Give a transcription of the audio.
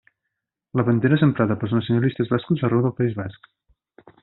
La bandera és emprada pels nacionalistes bascos arreu del País Basc.